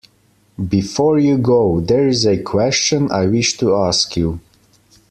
Before you go, there is a question I wish to ask you.